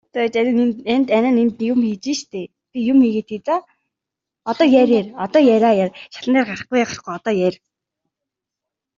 Харин сайхан гэзгээ яаж малгайн дор далдлах юм бэ?